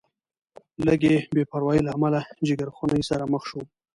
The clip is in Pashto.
لږې بې پروایۍ له امله جیګرخونۍ سره مخ شوم.